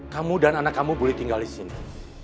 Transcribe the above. kamu dan anak kamu boleh tinggal disini